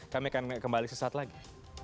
kami akan kembali sesaat lagi